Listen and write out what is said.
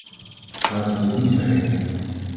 Laten we dit niet vergeten.